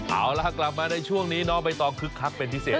เอาล่ะกลับมาในช่วงนี้น้องใบตองคึกคักเป็นพิเศษ